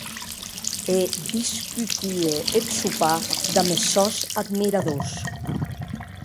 E discutie eth sopar damb es sòns admiradors.